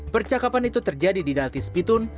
percakapan itu terjadi di dalti spitun